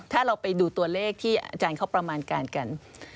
ถ้าเราไปดูตัวเลขที่อาจารย์เขาประมาณการกัน